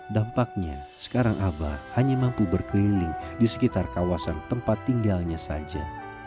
dampaknya sekarang abah hanya mampu berkeliling di sekitar kawasan tempat tinggalnya saja